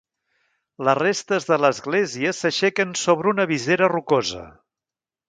Les restes de l'església s'aixequen sobre una visera rocosa.